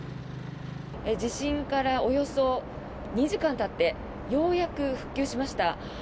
地震からおよそ２時間たってようやく復旧しました。